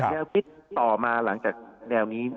แนวคิดต่อมาหลังจากแนวนี้